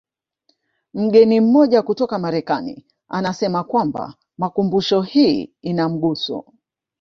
Mgeni mmoja kutoka Marekani anasema kwamba makumbusho hii ina mguso